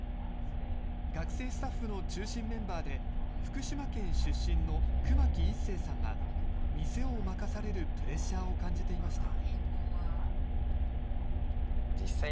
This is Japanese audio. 学生スタッフの中心メンバーで、福島県出身の久間木壱成さんは、店を任されるプレッシャーを感じていました。